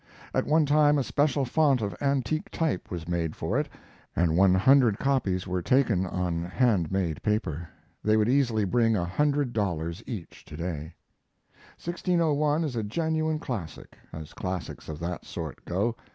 At one time a special font of antique type was made for it and one hundred copies were taken on hand made paper. They would easily bring a hundred dollars each to day. 1601 is a genuine classic, as classics of that sort go.